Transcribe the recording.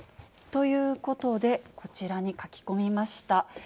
ということで、こちらに書き込みました。